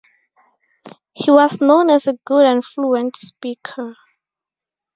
He was known as a good and fluent speaker.